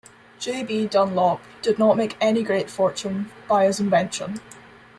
J B Dunlop did not make any great fortune by his invention.